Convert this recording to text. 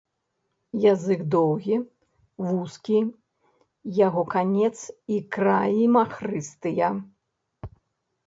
Язык доўгі, вузкі, яго канец і краі махрыстыя.